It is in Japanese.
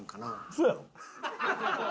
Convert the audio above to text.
そうやろ。